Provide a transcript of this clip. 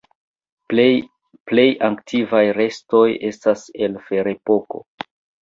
Plej antikvaj restoj estas el Ferepoko.